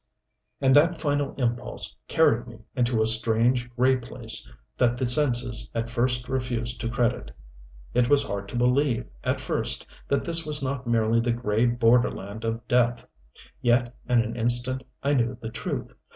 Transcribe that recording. And that final impulse carried me into a strange, gray place that the senses at first refused to credit. It was hard to believe, at first, that this was not merely the gray borderland of death. Yet in an instant I knew the truth.